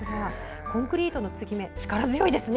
コンクリートの継ぎ目力強いですね。